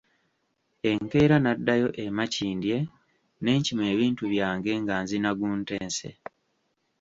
Enkeera naddayo e Makindye ne nkima ebintu byange nga nzina gunteese.